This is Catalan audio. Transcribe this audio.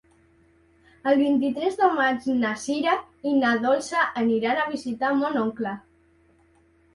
El vint-i-tres de maig na Sira i na Dolça aniran a visitar mon oncle.